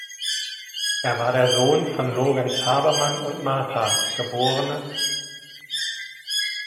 Er war der Sohn von Lorenz Habermann und Martha, geb.